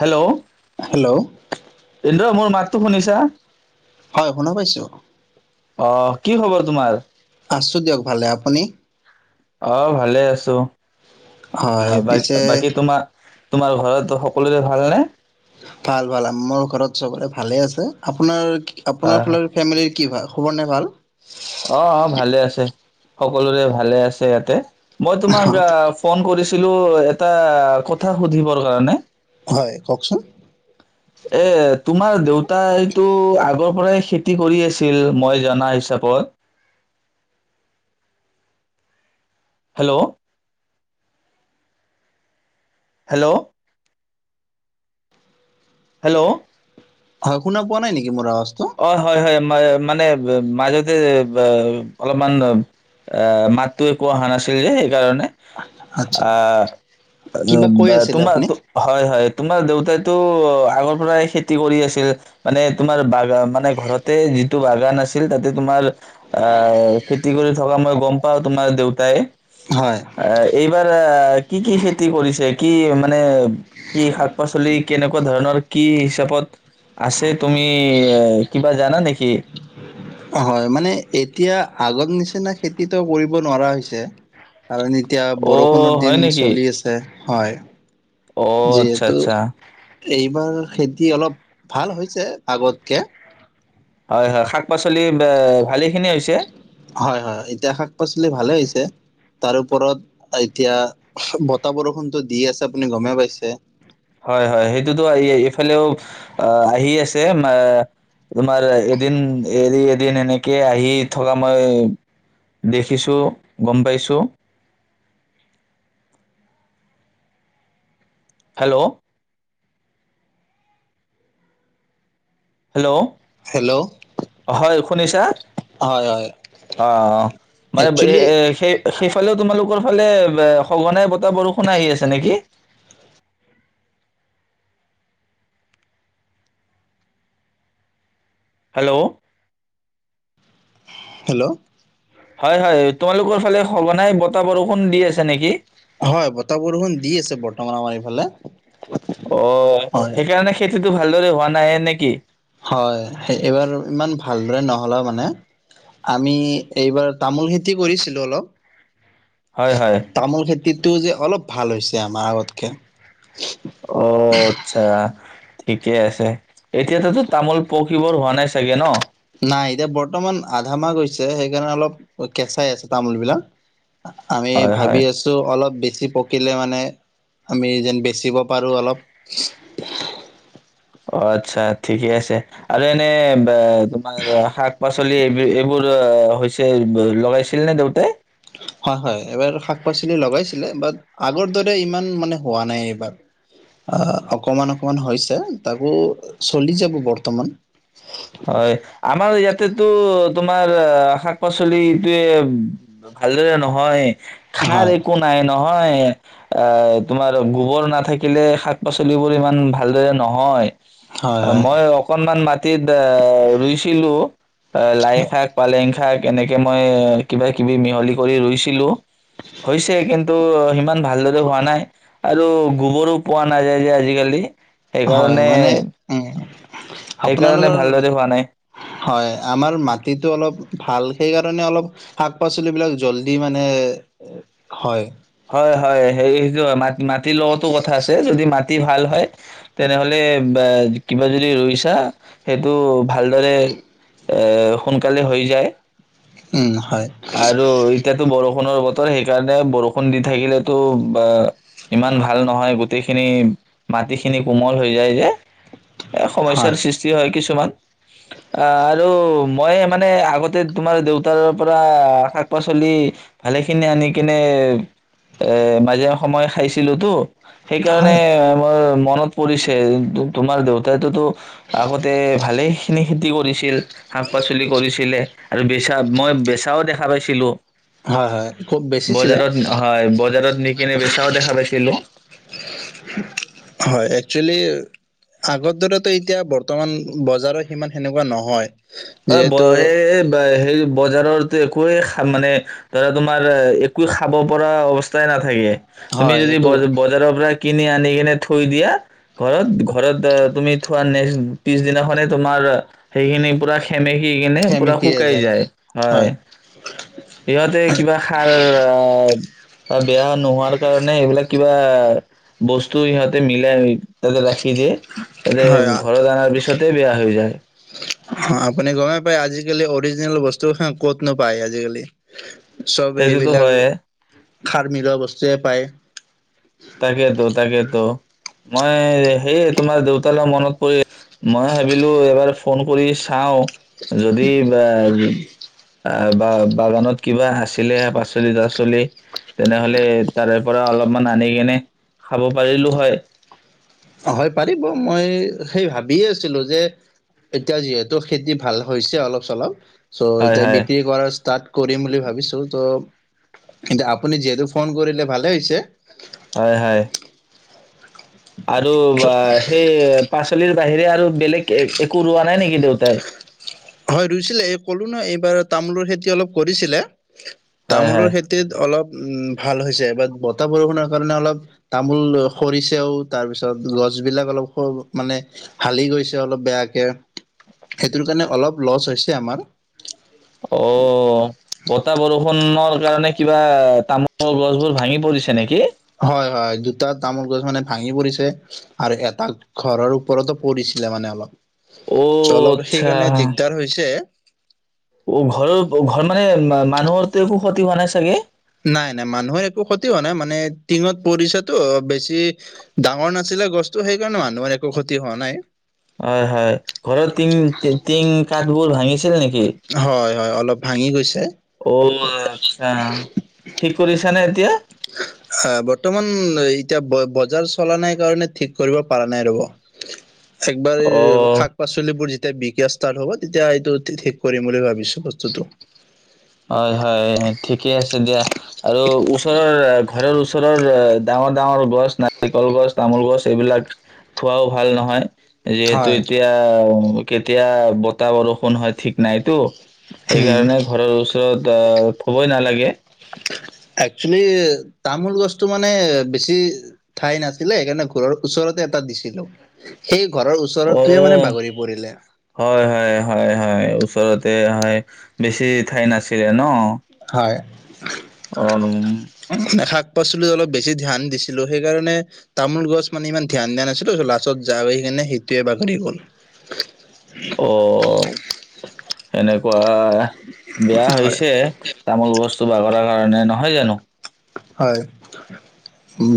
Hello hello ৰ' মোৰ মাতটো শুনিছা হয় শুনা পাইছো। অ্ কি খবৰ তোমাৰ? আছো দিয়ক ভালে আপুনি অ ভালে আছো। হয় অ পিছে বা-বাকি তোমাৰ তোমাৰ ঘৰত সকলোৰে ভালনে ভাল-ভাল মোৰ ঘৰত চবৰে ভালে আছে। আপোনাৰ হয় আপোনাৰ হয় ফালৰ ফেমিলিৰ কি ভাল খবৰ নাই ভাল অ অ ভালে আছে সকলোৰে ভালে আছে ইয়াতে মই তোমাক আ হয় ফোন কৰিছো ছিলো এটা কথা সুধিবৰ কাৰণে হয়, কওকচোন? এ তোমাৰ দেউতাইটো আগৰ পৰাই খেতি কৰি আছিল মই জনা হিচাপত। হেল্ল' হেল্ল' হেল্ল' হয়, শুনা পোৱা নাই নেকি মোৰ আবা অ হয় হয় মা মানে মাজতে ব অলপমান আ মাতটো একো অহা নাছিল যে কাৰণে আচ্ছা আ কিবা কৈ আছিলে আপুনি তোমাৰটো হয় হয় তোমাৰ দেউতাইতো আগৰ পৰাই খেতি কৰি আছিল মানে তোমাৰ বা মানে ঘৰতে যিটো বাগান আছিল তাতে তোমাৰ, আ খেতি কৰি থকা মই গম পাও তোমাৰ দেউতাই। হয় অ', এইবাৰ কি কি খেতি কৰিছে? কি? মানে কি? শাক পাচলি কেনেকুৱা ধৰণৰ কি হিচাপত আছে তুমি? কি হ কিবা জানা নেকি? হয়, মানে এতিয়া আগত নিচিনা খেতিতো কৰিব নোৱাৰা হৈছে। কাৰণ, এতিয়া বৰষুণৰ অ' দিন হয় নেকি? চলি আছে। হয়। অ' আচ্ছা যিহেতু, আচ্ছা এইবাৰ খেতি অলপ ভাল হৈছে আগতকে। হয় হয়, শাক-পাচলি ভালে খিনি হৈছে। হয়, হয় এতিয়া শাক-পাচলি ভালে হৈছে, তাৰ ওপৰত এতিয়া বতাহ বৰষুণতটো দিয়ে আছে আপুনি গমেই পাইছে। হয়, হয় সেইটোতো, এইফালেও আহি এ আছে তোমাৰ এদিন এৰিএদিন এনেকে আহি থকা মই দেখিছো, গম পাইছোঁ। হেল্ল'। হেল্ল', হেল্ল' হয় শুনিছা হয় হয় অ', মানে এ একচুৱেলি সেই সেইফালেও তোমালোকৰ কলে বহনে ব এটা বৰষুণ আহি আছে নেকি? [inaudible] হেল্ল'। হেল্ল'। হয় হয়। তোমালোকৰ ফালে সঘনাই বত তাহ বৰষুণ দি আছে নেকি? হয় বতাহ বৰষুণ দি আছে বৰ্তমান আমাৰ এইফালে, হয়। একো ভালদৰে হোৱা নাইে নেকি? হয় এইবাৰ ইমান ভালদৰে নহ'লেও মানে আমি এইবাৰ তামোল খেতি কৰিছিলো অলপ। হয়, হয়। তামোল খেতিত এইটো যে অলপ ভাল হৈছে আমাৰ আগতকে। অ', আচ্ছা। ঠিকে আছে, এতিয়াততো তামোল পকীবৰ হোৱা নাই চাগে ন'? নাই, এতিয়া বৰ্তমান আধা মাহ হৈছে সেইকাৰণে অলপ কেঁচাই আছে তামোল বিলাক। আমি হয়, হয়। ভাবি আছো অলপ বেছি খি পকীলে মানে আমি এজন বেচিব পাৰো অলপ। অ', আচ্ছা ঠিকে আছে, আৰু এনে ব তমাৰ শাক-পাচ চলি এই এইবোৰ হৈছে লগাইছিল নে দেউতাই? হয়, হয়, এইবাৰ শাক-পাচলি লগাইছিলে বাট আগৰ দৰে ইমান মানে হোৱা নাই এইবাৰ অকমান অকমান হৈছে তাকো চলি যাব বৰ্তমান। হয়, আমাৰ ইয়াতেতো তোমাৰ শাক-পাচলিটোয়ে ভালদৰে নহয়। সাৰ হয়। একো নাই ন? হয়, এ তোমাৰ গোবৰ নাথাকিলে শাক-পাচলি বোৰ ইমান ভালদৰে নহয়। হয় অ' হয় মই অকনমান মা এ, ৰৰুইছিলোঁ লাই শাক, পালেং শাক। এনেকে মই কিবা কিবি মিহলি কৰি ৰুইছিলোঁ হৈছে, কিন্তু সিমান ভালদৰে হোৱা নাই আৰু গোবৰো পোৱা নাযায় যে আজিকালি। হয়, সেইকাৰণে মানে উম। সেইকাৰণে আপোনালোকৰ ভালদৰে হোৱা নাই হয়, আমাৰ মাটিতো অলপ ভাল, সেইকাৰণে অলপ শাক-পাচলি বিলাক জল্দি মানে, হয়। হয়, হয় সেযোৰ মাটি মাত মাটিৰ লগতো কথা আছে যদি মাটি ভাল হয়, তেনেহ'লে বা কিবা যদি ৰুইছা সেইটো ভালদৰে এ, সোন কালে হৈ যায় উম হয় আৰু এতিয়াতো বৰষুণ বৰষুণৰ বতৰ সেইকাৰণে বৰষুণ বৰষুণ দি থাকিলেতো বা ইমান ভাল নহয় গোটেই গোটেইখিনি মাটিখিনি কোমল হৈ যায় যে এ হয় সমস্যাৰ সৃষ্টি হয় কিছুমান আহ আৰু মই মানে আগতে তোমাৰ দেউতাৰ পৰা শাক-পাচলি ভালে খিনি আনি কিনে এ মাজে সময় খাইছিলোঁ তো সেইকাৰণে হয় আমাৰ মনত পৰিছে তোমাৰ দেউতাইটোতো আগতে ভালে খিনি খেতি কৰিছিল। শাক পাচলি কৰিছিলে আৰু বেচা মই বেচাও দেখা পাইছো। কিলো হয়, হয় খুব বেছিছিলে হয়, বজাৰত নিকিনি বেচাও দেখা পাইছিলোঁ। হয় একচুৱেলি আগৰ দৰেতো এতিয়া বৰ্তমান বজাৰৰ সিমান সেনেকুৱা নহয়। [unintelligible] যিহেতু বজাৰত একোৱেই মানে ধৰা তোমাৰ একো খাব পৰা অৱস্থাই নাথাকে। তুমি হয় যদি এইটো বজাৰৰ পৰা কিনি আনি কিনে থৈ দিয়া ঘৰত ঘৰত অ তুমি থোৱা নেক্স পিছ দিনাখনে তোমাৰ সেইখিনি পুৰা সেমেকি কিনে পুৰা শুকাই যায়। হয়, ইহঁতে কিবা সাৰ অহ, আৰু বেয়া নোহোৱাৰ কাৰণে এইবিলাক কিবা বস্তু সিহঁতে মিলাই। তাতে ৰাখি দিয়ে, তাতে হয় ঘৰত অনাৰ পিছতে বেয়া হৈ যায়। আপুনি গমেই পায় আজিকালি অৰিজিনেল বস্তু হা ক'ত নো পায় আজিকালি। চব সেইটোতো সেইবিলাক হয়ে খাৰ মিলোৱা বস্তু। যে পায় তাকেইতো তাকেইতো মই সেয়ে তোমাৰ দেউতালৈ মনত কৰি, মই ভাবিলো এবাৰ ফোন কৰি চাওঁ। যদি বা য অহ, বা বাগানত কিবা আছিলে পাচলি-তাচলি, তেনেহলে তাৰে পৰা অলপমান আনি কেনে খাব পাৰিলো হয়। হয় পাৰিব, মই সেই ভাবিয়েই আছিলোঁ যে এতিয়া যিহেতু খেতি ভাল হৈছে অলপ-চলপ। চ' হয় এতিয়া হয় বিক্ৰী কৰা চৰ্ত কৰিম বুলি ভাবিছোঁ তো, কিন্তু আপুনি যিহেতু ফোন কৰিলে ভালেই হৈছে। হয় হয় আৰু বা সেই পাচলিৰ বাহিৰে আৰু বেলেগ একো ৰোৱা নাই নেকি দেউতাই? ক'লোঁ না এইবাৰ তামোলৰ খেতি অলপ কৰিছিলে। হয় তামোলৰ হয়। খেতিত অলপ উম ভাল হৈছে। বাট বতাহ-বৰষুণৰ কাৰণে অলপ তামোল সৰিছেও, তাৰপিছত গছবিলাক অলপ সৰি মানে, হালি গৈছে অলপ বেয়াকে। সেইটোৰ কাৰণে অলপ লছ হৈছে আমাৰ। অহ, বতাহ-বৰষুণৰ, কাৰণে কিবা তামোলৰ গছ বোৰ ভাঙি পৰিছে নেকি? হয়, হয়। দু দুটা তামোল গছ মানে ভাঙি পৰিছে আৰু এটা ঘৰৰ ওপৰতো পৰিছিলে মানে আমাৰ। চ অ', অলপ আচ্ছা। সেইকাৰণে দিগদাৰ হৈছে। অহ, ঘৰৰ ঘৰ মানে মানুহৰতো একো ক্ষতি হোৱা নাই চাগে? নাই নাই, মানুহৰ একো ক্ষতি হোৱা নাই। মানে টিঙত পৰিছেতো, বেছি ডাঙৰ নাছিলে গছতো, সেইকাৰণে মানুহৰ একো ক্ষতি হোৱা নাই। হয়, হয় ঘৰত তিং তি তিং থাবোৰ ভাঙিছে ছিল নেকি হয় হয়, অলপ ভাঙি গৈছে। অহ, আচ্ছা। ঠিক কৰিছানে এতিয়া? হয় বত বৰ্তমান এতিয়া বজাৰ চলা নাই কাৰণে ঠিক কৰিব পৰা নাই, ৰব। একবাৰে অ'। শাক পাচলিবোৰ যেতিয়া বিষ ষ্টাৰ্ হ'ব। তেতিয়া এইটো ঠি-ঠিক কৰিম বুলি ভাবিছো। বস্তুটো হয়। হয়। ঠিকে আছে দিয়া। আৰু ওচৰৰ ঘৰৰ ওচৰৰ ডাঙৰ ডাঙৰ গছ, নাৰিকল গছ, তামোল গছ, এইবিলাক থোৱাও ভাল নহয়। যিহেতু হয় এতিয়া কেতিয়া বতাহ, বৰষুণ হয় ঠিক নাইতো। উম সেইকাৰণে ঘৰৰ ওচৰত আহ', থ'বই নালাগে। একচুৱেলি তামোল গছটো মানে বেছি ঠাই নাছিলে। সেইকাৰণে ঘৰৰ ওচৰতে এটা দিছিলো। সেই ঘৰৰ অ ওচৰৰটোৱে মানে বাগৰি পৰিলে হয়। হয়। হয়। হয়। ওচৰতে হয়। বেছি ঠাই নাছিলে ন? হয়। অ', উমম'। শাক-পাচলিত অলপ বেছি ধ্যান দিছিলো। সেইকাৰণে তামোল গছ মানে ইমান ধ্যান দিয়া নাছিলো। লাষ্টত ঝৰ আহি কিনে সেইটোৱে বাাহৰি গ'ল। অ', এনে বা' বেয়া হয় হৈছে। তামোল গছ চো বাগৰাৰ কাৰণে নহয় জানো? হয়।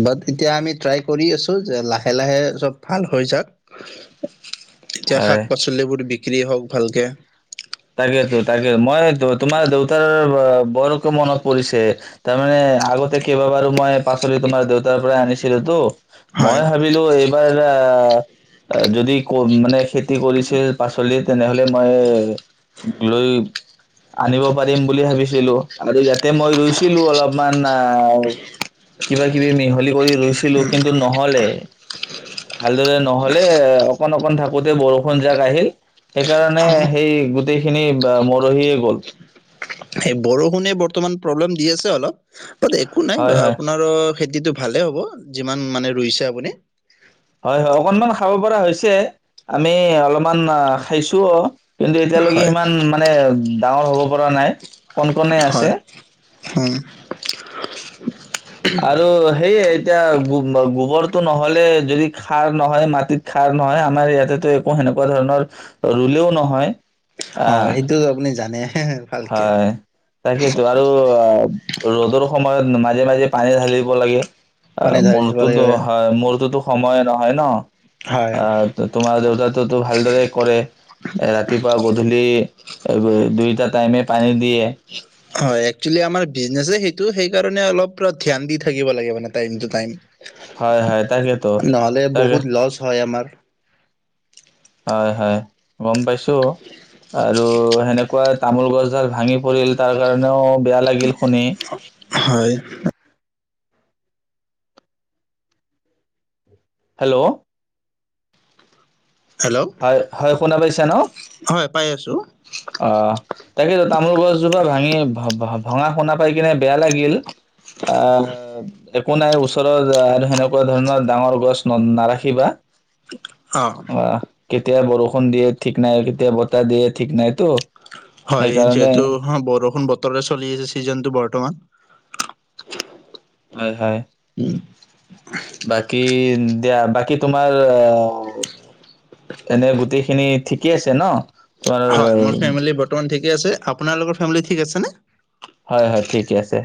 বাট এতিয়া আমি ট্ৰাই কৰি আছো, যে লাহে লাহে সব ভাল হৈ যাক। এতিয়া হয় শাক পাচলিবোৰ বিক বিক্ৰী হওঁক ভালকে। তাকেতো তাকে মই ত', তোমাৰ দেউতাৰ বা'-বা বৰকে মনত পৰিছে। তাৰ মানে আগতে কেইবাবাৰো মই পাচলি তোমাৰ দেউতাৰ পৰাই আনিছিলো তো। হয় মই ভাবিলো এইবাৰ আ', যদি ক', মানে খেতি কৰিছে পাচলিৰ। তেনেহ'লে মই গ'লে আনিব পাৰিম বুলি ভাবিছিলো। আৰু ইয়াতে মই ৰুইছিলো অলপমান। আহ', কিবা কিবি মিহলি কৰি ৰুইছিলো। কিন্তু নহ'লে। ভালদৰে নহ'লে। অকন-অ থাকোতে বৰষুণ যাক আহিল। সেইকাৰণে সেই গ সেইখিনি বা', মৰহিয়ে গ'ল। সেই বৰষুণে বৰ্তমান প্ৰব্লেম দি আছে অলপ। তাত একো নাই হয় বা', হয় আপোনাৰো খেতিটো ভালেই হ'ব যিমান মানে ৰুইছে আপুনি। হয়- হয় অকনমান খাব পৰা হৈছে- আমি অলপমান খাইছোও। কিন্তু এতিয়ালৈকে হয় সিমান মানে ডাঙৰ হ'ব পৰা নাই কণ কণেই আছে। হয় উম [inaudible] আৰু সেইয়ে- এতিয়া গোবৰটো নহ'লে যদি সাৰ নহয় মাটিত সাৰ নহয় আমাৰ ইয়াতেতো একো সেনেকুৱা ধৰণৰ ৰুলেও নহয়। অ আহ সেইটোতো আপুনি জানেই হে-হে- হয়, তাকেইতো আৰু আ, ৰ'দৰ সময় মাজে মাজে পানী ঢালিব লাগে পানী ঢালি দিব আ-মোৰটোতো লাগিব হয় মোৰটোতো- সময়ে নহয় ন? হয়। আ- তোমাৰ দেউতাইতো ভালদৰে কৰে এ- ৰাতিপুৱা গধূলি এ- দুইটাত। পানী [unintelligible] হয়, একচোৱেলি আমাৰ বিজনেচেই সেইটো। টো সেই কাৰণে অলপ ধ্যান দি থাকিব লাগে মানে টাইম টু টাইম। হয়- হয় তাকেতো নহ'লে বহুত তাকে- লছ হয় আমাৰ হয়- হয়। গম পাইছো আৰু সেনেকুৱা তামোল গছডাল ভাঙি পৰিল তাৰ কাৰণেও- বেয়া লাগিল শুনি। হয় হেল্ল'- হেল্ল'। হয়-হয় শুনা পাইছা ন? হয় পাই আছো- অ', তাকেতো তামোল গছজোপা ভাঙি-ভ-ভ-ভঙা শুনা পাই কিনে বেয়া লাগিল। অ একো নাই ওচৰৰত সেনেকুৱা ধৰণৰ ডাঙৰ গছ নাৰাখিবা। অ' আহ কেতিয়া বৰষুণ দিয়ে ঠিক নাই, কেতিয়া বতাহ দিয়ে ঠিক নাই। তো হয়-যিহেতু বৰষুণ বতৰৰে চলি আছে চিজনটো বৰ্তমান। হয়- হয়- উম, বাকী দিয়া বাকী তোমাৰ আ- এনে গোটেইখিনি ঠিকেই আছে ন? তোমাৰ হয় মোৰ ফেমিলি বৰ্তমান ঠিকে আছে আপোনালোকৰ? ফেমিলি ঠিক আছেনে? হয় হয় ঠিকে আছে।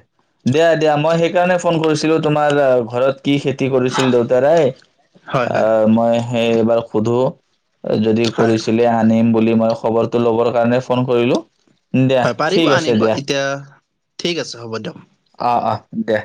দিয়া- দিয়া মই সেইকাৰণে ফোন কৰিছিলো তোমাৰ ঘৰত কি খেতি কৰিছিল দেউতাৰাই? হয় হয় আ- মই সেই এইবাৰ সোধো। যদি হয় কৰিছিলে আনিম, বুলি মই খবৰটো ল'বৰ কাৰণে ফোন কৰিলো। দিয়া হয় পাৰিব ঠিক আনিব আছে দিয়া। [unintelligible] ঠিক আছে হ'ব দিয়ক। দেহ